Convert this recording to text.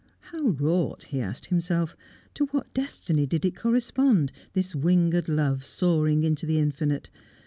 How wrought? he asked himself. To what destiny did it correspond, this winged love soaring into the infinite?